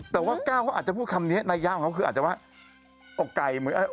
แต่ว่าก้าวเขาอาจจะพูดคำนี้ในยามเขาคืออาจจะว่า